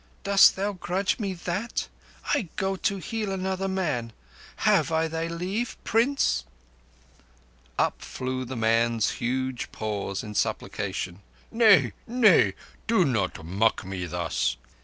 Dost thou grudge me that? I go to heal another man. Have I thy leave—Prince?" Up flew the man's huge paws in supplication. "Nay—nay. Do not mock me thus."